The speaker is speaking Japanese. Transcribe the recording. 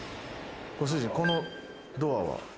ご主人、このドアは？